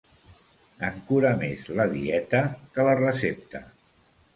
En cura més la dieta que la recepta.